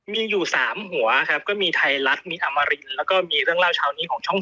มีอยู่๓หัวครับก็มีไทยรัฐมีอมรินแล้วก็มีเรื่องเล่าเช้านี้ของช่อง๓